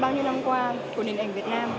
bao nhiêu năm qua của nền ảnh việt nam